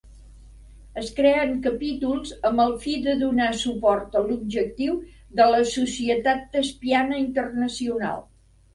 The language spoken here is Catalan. Es creen capítols amb el fi de donar suport a l'objectiu de la Societat Tespiana Internacional.